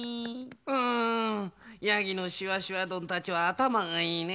うんヤギのしわしわどんたちはあたまがいいね。